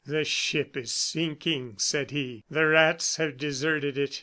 "The ship is sinking," said he; "the rats have deserted it."